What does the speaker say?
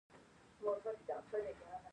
فرنونه ګل نه کوي